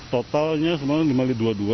totalnya sebenarnya lima x dua puluh dua